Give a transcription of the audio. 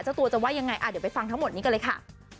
เจ้าตัวจะว่ายังไงเดี๋ยวไปฟังทั้งหมดนี้กันเลยค่ะ